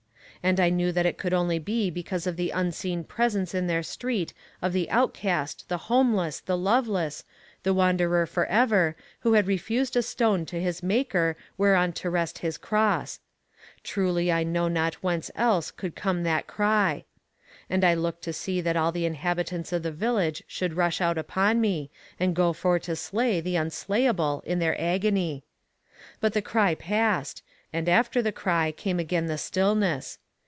And I knew that it could only be because of the unseen presence in their street of the outcast, the homeless, the loveless, the wanderer for ever, who had refused a stone to his maker whereon to rest his cross. Truly I know not whence else could have come that cry. And I looked to see that all the inhabitants of the village should rush out upon me, and go for to slay the unslayable in their agony. But the cry passed, and after the cry came again the stillness.